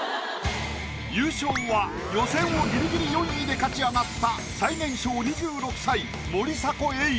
優勝は予選をギリギリ４位で勝ち上がった最年少２６歳森迫永依。